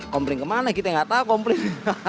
komplain kemana kita nggak tahu komplain